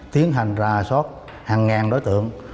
tiến hành ra xót hàng ngàn đối tượng